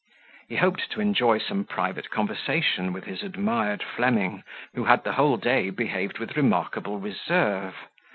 He hoped to enjoy some private conversation with his admired Fleming, who had the whole day behaved with remarkable reserve.